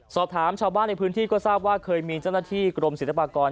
สอบถามชาวบ้านในพื้นที่ก็ทราบว่าเคยมีเจ้าหน้าที่กรมศิลปากร